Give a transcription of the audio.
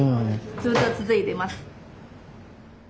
ずっと続いてます。